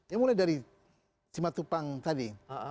ya mulai dari cimatupang tadi